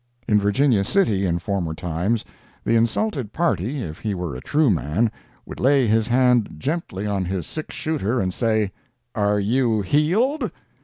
In Virginia City, in former times, the insulted party, if he were a true man, would lay his hand gently on his six shooter and say "Are you heeled?"